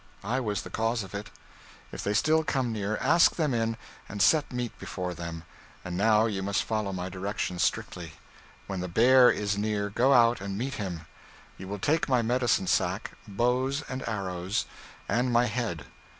I was the cause of it." If they still come near, ask them in, and set meat before them. And now you must follow my directions strictly. When the bear is near, go out and meet him. You will take my medicine sack, bows and arrows, and my head.